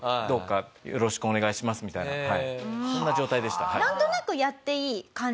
どうかよろしくお願いしますみたいなそんな状態でした。